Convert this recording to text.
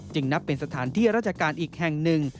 นับเป็นสถานที่ราชการอีกแห่งหนึ่ง